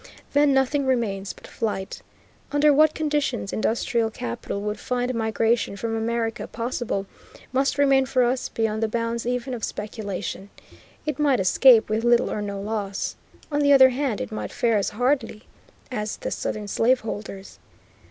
Then nothing remains but flight. Under what conditions industrial capital would find migration from America possible, must remain for us beyond the bounds even of speculation. It might escape with little or no loss. On the other hand, it might fare as hardly as did the southern slaveholders.